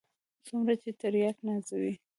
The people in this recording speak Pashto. څومره چې ترياک نازوي.